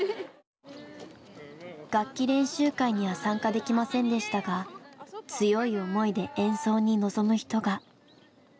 楽器練習会には参加できませんでしたが強い思いで演奏に臨む人が。